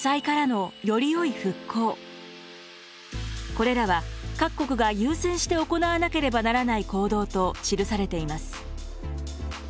これらは各国が優先して行わなければならない行動と記されています。